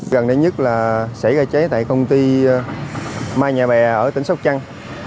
gần đây nhất là xảy ra cháy tại công ty mai nhà bè ở tỉnh sóc trăng